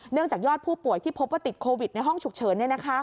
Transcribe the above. จากยอดผู้ป่วยที่พบว่าติดโควิดในห้องฉุกเฉิน